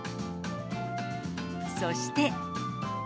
そして。